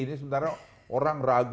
ini sementara orang ragu